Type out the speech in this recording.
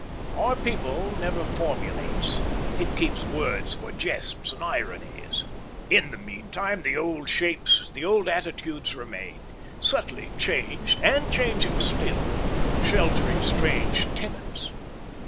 Our people never formulates; it keeps words for jests and ironies. In the meanwhile the old shapes, the old attitudes remain, subtly changed and changing still, sheltering strange tenants.